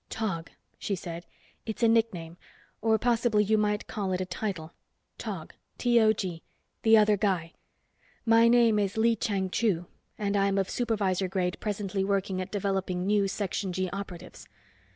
"Tog," she said. "It's a nickname, or possibly you might call it a title. Tog. T O G. The Other Guy. My name is Lee Chang Chu, and I'm of supervisor grade presently working at developing new Section G operatives.